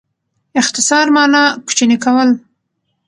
اختصار مانا؛ کوچنی کول.